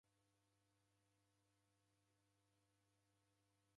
Mpira ghwasia